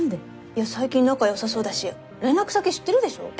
いや最近仲良さそうだし連絡先知ってるでしょう？